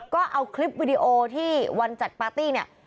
ก็เอาคลิปวิดีโอที่วันจัดปาร์ตี้เนี่ย